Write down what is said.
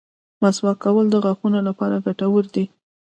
مسواک کول د غاښونو لپاره ګټور دي.